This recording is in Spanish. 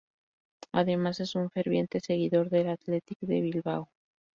Además es un ferviente seguidor del Athletic de Bilbao.